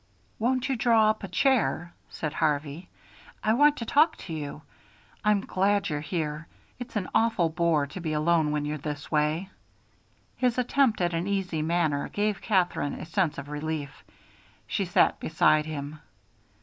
"Won't you draw up a chair?" said Harvey. "I want to talk to you. I'm glad you're here. It's an awful bore to be alone when you're this way." His attempt at an easy manner gave Katherine a sense of relief. She sat beside him.